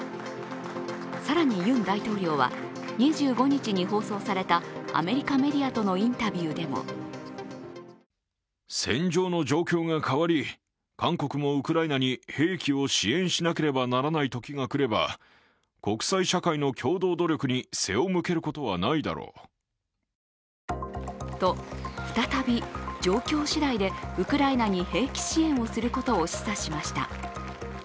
更に、ユン大統領は２５日に放送されたアメリカメディアとのインタビューでもと、再び状況次第でウクライナに兵器支援をすることを示唆しました。